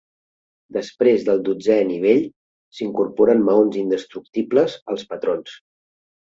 Després del dotzè nivell, s'incorporen maons indestructibles als patrons.